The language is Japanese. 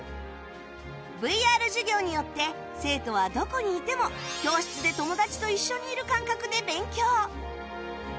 ＶＲ 授業によって生徒はどこにいても教室で友達と一緒にいる感覚で勉強